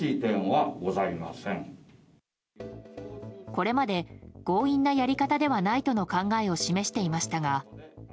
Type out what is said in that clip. これまで強引なやり方ではないとの考えを示していましたが。